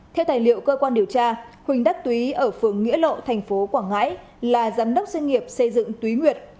theo tài liệu cơ quan điều tra huỳnh đắc túy ở phường nghĩa lộ thành phố quảng ngãi là giám đốc doanh nghiệp xây dựng thúy nguyệt